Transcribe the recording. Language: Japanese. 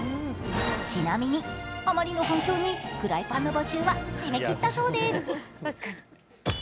ちなみに、あまりの反響にフライパンの募集は締め切ったそうです。